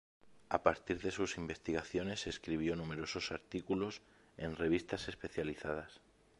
A partir de sus investigaciones escribió numerosos artículos en revistas especializadas.